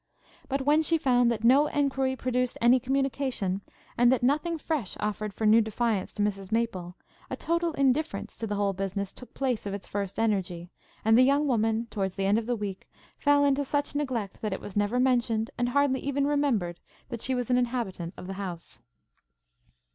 But when she found that no enquiry produced any communication, and that nothing fresh offered for new defiance to Mrs Maple, a total indifference to the whole business took place of its first energy, and the young woman, towards the end of the week, fell into such neglect that it was never mentioned, and hardly even remembered, that she was an inhabitant of the house.